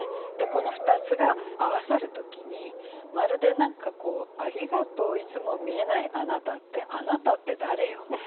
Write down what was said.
この２つが合わさる時にまるで何かこう「ありがとういつも見えないあなた」って「あなた」って誰よ？